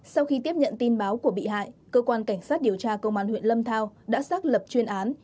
sau khi tiếp nhận tin báo của bị hại cơ quan cảnh sát điều tra công an huyện lâm thao đã xác lập chuyên án